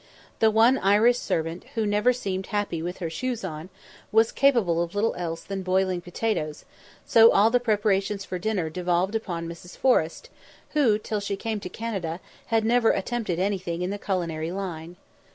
The one Irish servant, who never seemed happy with her shoes on, was capable of little else than boiling potatoes, so all the preparations for dinner devolved upon Mrs. Forrest, who till she came to Canada had never attempted anything in the culinary line.